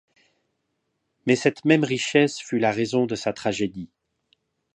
Mais cette même richesse fut la raison de sa tragédie.